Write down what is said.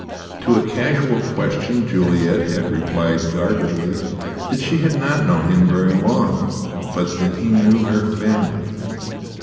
To a casual question Juliet had replied guardedly that she had not known him very long, but that he knew her family.